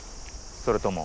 それとも。